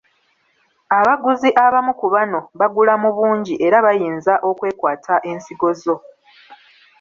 Abaguzi abamu ku bano bagula mu bungi era bayinza okwekwata ensigo zo.